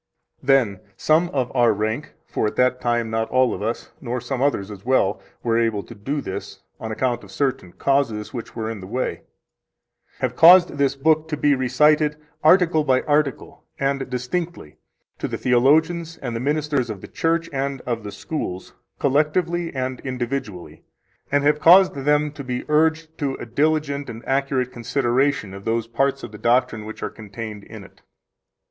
14 Then some of our rank (for at that time not all of us, nor some others as well, were able to do this, on account of certain causes which were in the way), have caused this book to be recited article by article and distinctly to the theologians, and the ministers of the church and of the schools collectively and individually, and have caused them to be urged to a diligent and accurate consideration of those parts of the doctrine which are contained in it.